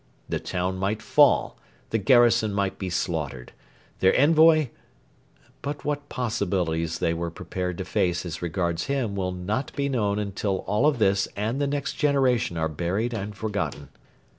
The town might fall; the garrison might be slaughtered; their envoy But what possibilities they were prepared to face as regards him will not be known until all of this and the next generation are buried and forgotten.